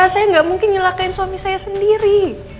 saya tidak mungkin menyelakkan suami saya sendiri